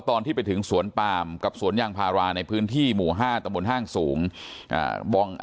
ตอนที่ไปถึงสวนปามกับสวนยางพาราในพื้นที่หมู่๕ตะบนห้างสูง